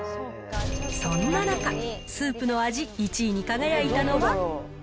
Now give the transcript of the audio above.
そんな中、スープの味１位に輝いたのは。